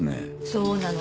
そうなの。